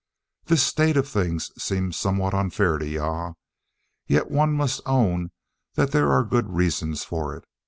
This state of things seems somewhat unfair to Jah; yet one must own that there are good reasons for it.